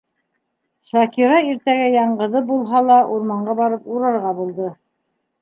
Шакира иртәгә яңғыҙы булһа ла урманға барып урарға булды.